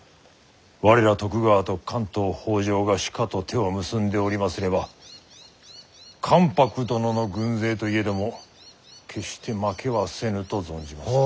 我ら徳川と関東北条がしかと手を結んでおりますれば関白殿の軍勢といえども決して負けはせぬと存じまする。